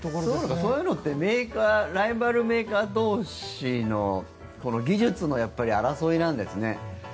そういうのってライバルメーカー同士の技術の争いなんですね。